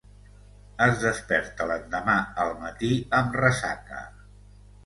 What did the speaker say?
Es desperta l'endemà al matí amb ressaca.